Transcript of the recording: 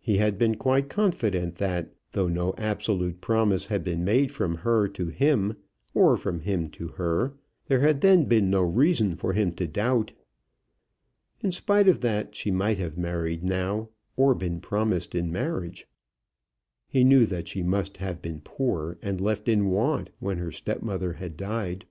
He had been quite confident that, though no absolute promise had been made from her to him, or from him to her, there had then been no reason for him to doubt. In spite of that, she might have married now, or been promised in marriage. He knew that she must have been poor and left in want when her stepmother had died.